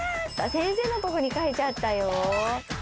先生のとこに書いちゃったよー。